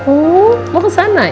oh mau ke sana